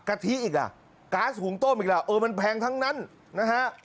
ทิอีกอ่ะก๊าซหุงต้มอีกล่ะเออมันแพงทั้งนั้นนะฮะ